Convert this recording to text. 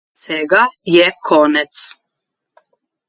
Vsega je konec.